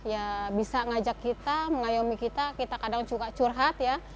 ya bisa ngajak kita mengayomi kita kita kadang suka curhat ya